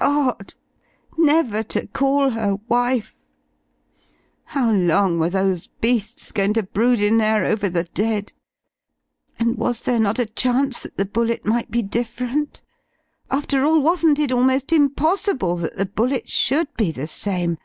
God! never to call her wife!... How long were those beasts going to brood in there over the dead? And was there not a chance that the bullet might be different? After all, wasn't it almost impossible that the bullet should be the same?